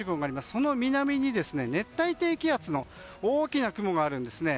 その南に熱帯低気圧の大きな雲があるんですね。